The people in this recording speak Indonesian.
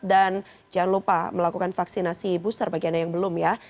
jangan lupa melakukan vaksinasi booster bagi anda yang belum ya